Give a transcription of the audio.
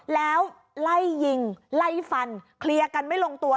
แล้วไล่ยิงไล่ฟันเคลียร์กันไม่ลงตัว